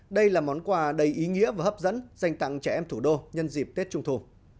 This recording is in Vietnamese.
đây là món quà đầy ý nghĩa và hấp dẫn dành tặng trẻ em thủ đô nhân dịp tết trung thu